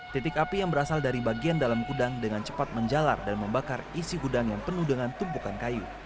titik api yang berasal dari bagian dalam gudang dengan cepat menjalar dan membakar isi gudang yang penuh dengan tumpukan kayu